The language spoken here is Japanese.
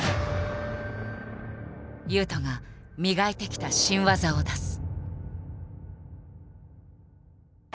雄斗が磨いてきた新技を出す。